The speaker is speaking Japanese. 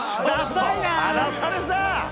華丸さん！